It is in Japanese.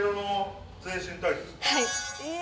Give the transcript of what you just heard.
はい！